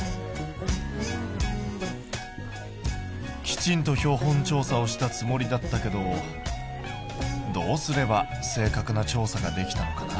きちんと標本調査をしたつもりだったけどどうすれば正確な調査ができたのかな？